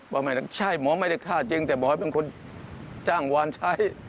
บอกให้ใช่หมอไม่ได้ฆ่าจริงแต่บอกให้เป็นคนจ้างวานใช้